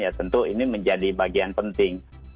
ya tentu ini menjadi bagian penting